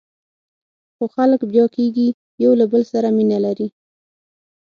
خو خلک بیا کېږي، یو له بل سره مینه لري.